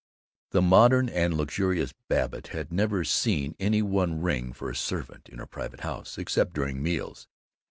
The modern and luxurious Babbitt had never seen any one ring for a servant in a private house, except during meals.